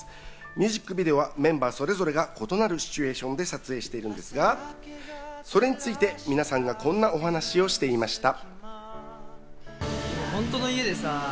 ミュージックビデオはメンバーそれぞれが異なるシチュエーションで撮影しているんですが、それについて皆さんがこんなお話をしていました。